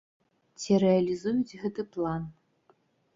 Ці рэалізуюць гэты план?